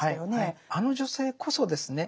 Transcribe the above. あの女性こそですね